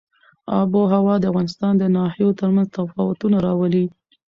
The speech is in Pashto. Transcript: آب وهوا د افغانستان د ناحیو ترمنځ تفاوتونه راولي.